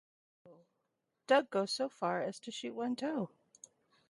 Doug goes so far as to shoot one toe.